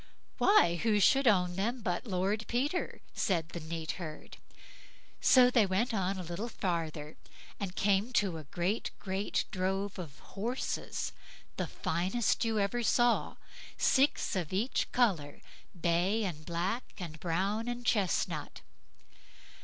"Why! who should own them but Lord Peter", said the neat herd. So they went on a little further, and came to a great, great drove of horses, the finest you ever saw, six of each colour, bay, and black, and brown, and chesnut.